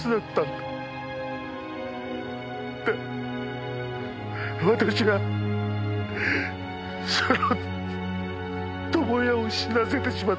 だが私はその友也を死なせてしまった。